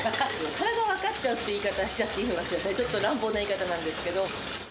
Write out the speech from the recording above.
腹が分かっちゃうっていう言い方していいのかしらね、ちょっと乱暴な言い方なんですけど。